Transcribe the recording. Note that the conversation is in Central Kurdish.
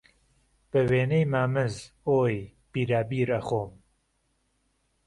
به وێنهی مامز، ئۆی، بیرابیر ئهخۆم